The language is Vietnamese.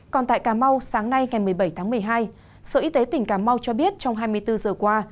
còn tại cà mau sáng nay ngày một mươi bảy tháng một mươi hai sở y tế tỉnh cà mau cho biết trong hai mươi bốn giờ qua